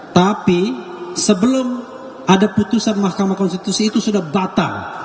tapi sebelum ada putusan mahkamah konstitusi itu sudah batal